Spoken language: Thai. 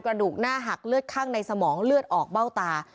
กระดูกหน้าหักเลือดข้างในสมองเลือดออกเบ้าตา